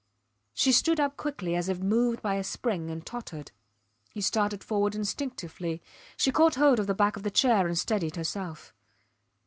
She stood up quickly as if moved by a spring and tottered. He started forward instinctively. She caught hold of the back of the chair and steadied herself.